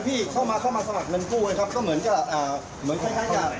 ปากกับภาคภูมิ